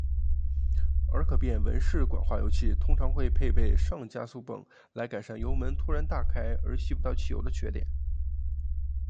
而可变文氏管化油器通常会配备上加速泵来改善油门突然大开而吸不到汽油的缺点。